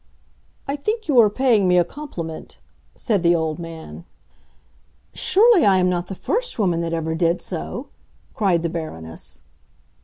"I think you are paying me a compliment," said the old man. "Surely, I am not the first woman that ever did so!" cried the Baroness.